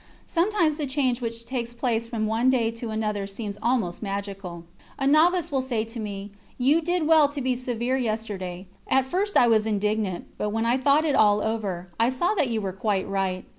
Sometimes the change which takes place from one day to another seems almost magical. A novice will say to me: "You did well to be severe yesterday; at first I was indignant, but when I thought it all over, I saw that you were quite right.